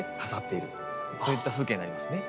そういった風景になりますね。